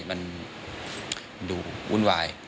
มันดูวุ่นวาย